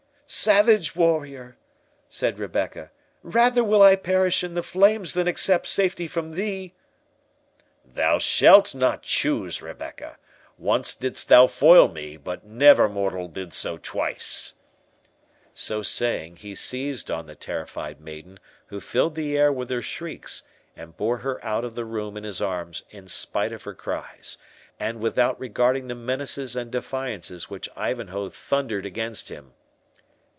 "Savage warrior," said Rebecca, "rather will I perish in the flames than accept safety from thee!" "Thou shalt not choose, Rebecca—once didst thou foil me, but never mortal did so twice." So saying, he seized on the terrified maiden, who filled the air with her shrieks, and bore her out of the room in his arms in spite of her cries, and without regarding the menaces and defiance which Ivanhoe thundered against him.